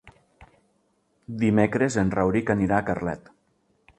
Dimecres en Rauric anirà a Carlet.